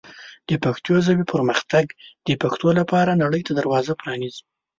د پښتو ژبې پرمختګ د پښتو لپاره نړۍ ته دروازه پرانیزي.